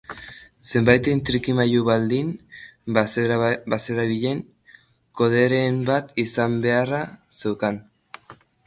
Zerbaiten trikimailua baldin bazerabilen, koderen bat izan beharra zeukan.